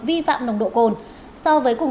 vi phạm nồng độ cồn so với cùng